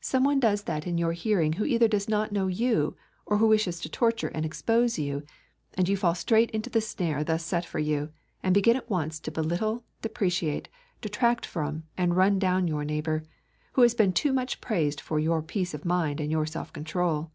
Some one does that in your hearing who either does not know you, or who wishes to torture and expose you, and you fall straight into the snare thus set for you, and begin at once to belittle, depreciate, detract from, and run down your neighbour, who has been too much praised for your peace of mind and your self control.